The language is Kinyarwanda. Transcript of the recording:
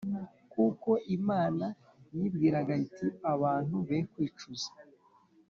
“kuko imana yibwiraga iti: abantu be kwicuza,